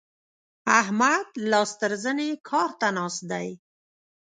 احمد لاس تر زنې کار ته ناست دی.